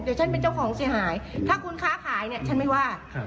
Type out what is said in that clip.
เดี๋ยวฉันเป็นเจ้าของเสียหายถ้าคุณค้าขายเนี่ยฉันไม่ว่า